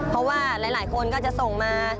เพราะว่าหลายคนก็จะส่งมา